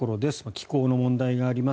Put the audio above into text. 気候の問題があります。